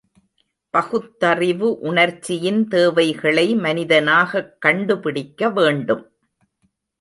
பகுத்தறிவு உணர்ச்சியின் தேவைகளை மனிதனாகக் கண்டுபிடிக்க வேண்டும்!